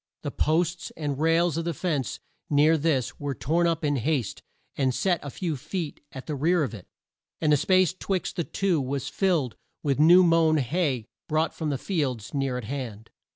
The posts and rails of a fence, near this, were torn up in haste, and set a few feet at the rear of it, and the space 'twixt the two was filled with new mown hay brought from the fields near at hand.